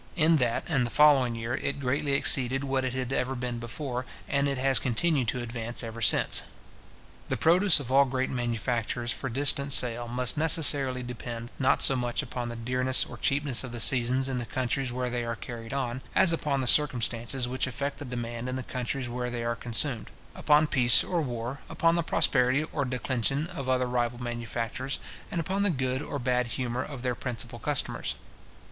In that and the following year, it greatly exceeded what it had ever been before, and it has continued to advance ever since. The produce of all great manufactures for distant sale must necessarily depend, not so much upon the dearness or cheapness of the seasons in the countries where they are carried on, as upon the circumstances which affect the demand in the countries where they are consumed; upon peace or war, upon the prosperity or declension of other rival manufactures and upon the good or bad humour of their principal customers.